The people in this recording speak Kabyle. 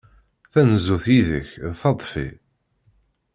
Tanezzut yid-k d taḍfi.